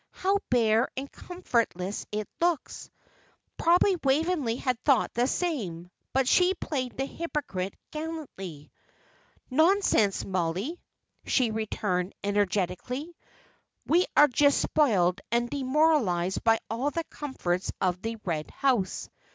"How bare and comfortless it looks!" Probably Waveney had thought the same, but she played the hypocrite gallantly. "Nonsense, Mollie," she returned, energetically. "We are just spoiled and demoralized by all the comforts of the Red House.